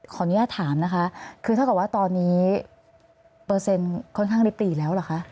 ขออนุญาตถามนะคะคือเท่ากับว่าตอนนี้เปอร์เซ็นต์ค่อนข้างลิปตีแล้วเหรอคะ